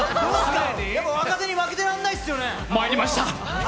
若手に負けてられないですよね。